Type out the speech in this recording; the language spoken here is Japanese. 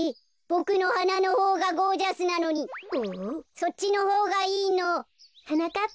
ボクのはなのほうがゴージャスなのにそっちのほうがいいの？はなかっ